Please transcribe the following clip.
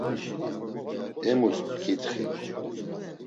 Emus p̌ǩitxi.